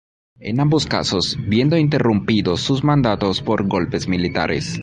En ambos casos viendo interrumpidos sus mandatos por golpes militares.